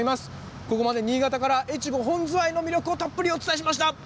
ここまで新潟から、越後本ズワイの魅力をたっぷりお伝えしました。